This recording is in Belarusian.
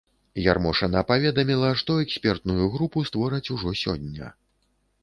Ярмошына паведаміла, што экспертную групу створаць ужо сёння.